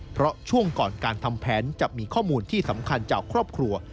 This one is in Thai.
เพราะช่วงก่อนการทำแผนจะมีข้อมูลที่สำคัญจากครอบครัว